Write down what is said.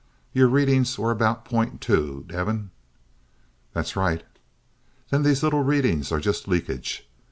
Your readings were about .2, Devin?" "That's right." "Then these little readings are just leakage.